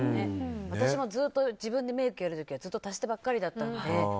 私もずっと自分でメイクやる時はずっと足してばっかりだったので。